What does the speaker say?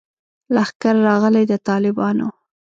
لښکر راغلی د طالبانو